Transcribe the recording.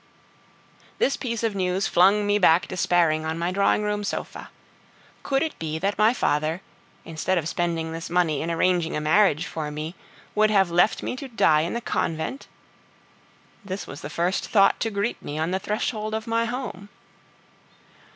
This piece of news flung me back despairing on my drawing room sofa. Could it be that my father, instead of spending this money in arranging a marriage for me, would have left me to die in the convent? This was the first thought to greet me on the threshold of my home.